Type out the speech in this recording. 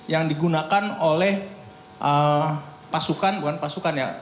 yang digunakan oleh pasukan bukan pasukan ya